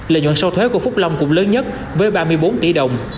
lợi nhuận sau thuế của phúc long cũng lớn nhất với ba mươi bốn tỷ đồng